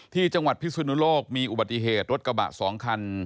ที่จังหวัดพิสุนุโลกมีอุบัติเหตุรถกระบะ๒คัน